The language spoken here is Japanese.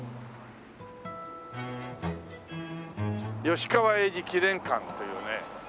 吉川英治記念館というね。